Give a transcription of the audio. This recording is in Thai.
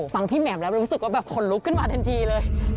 พี่แหม่มแล้วรู้สึกว่าแบบขนลุกขึ้นมาทันทีเลย